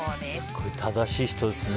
これ、正しい人ですね。